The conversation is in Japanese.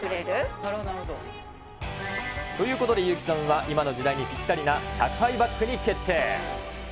なるほど、なるほど。ということで優木さんは今の時代にぴったりな宅配バッグに決定。